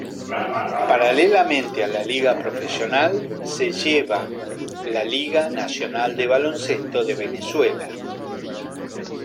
Paralelamente a la Liga Profesional, se lleva la Liga Nacional de Baloncesto de Venezuela.